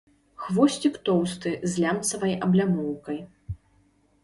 Хвосцік тоўсты, з лямцавай аблямоўкай.